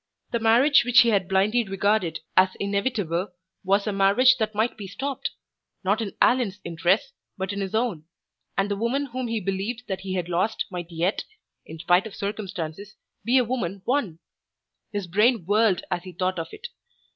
The marriage which he had blindly regarded as inevitable was a marriage that might be stopped not in Allan's interests, but in his own and the woman whom he believed that he had lost might yet, in spite of circumstances, be a woman won! His brain whirled as he thought of it.